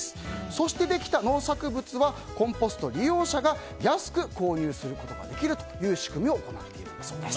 そしてできた農作物はコンポスト利用者が安く購入することができるという仕組みを行っているそうです。